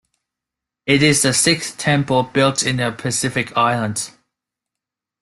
It is the sixth temple built in the Pacific Islands.